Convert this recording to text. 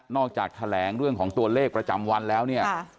จากแถลงเรื่องของตัวเลขประจำวันแล้วเนี่ย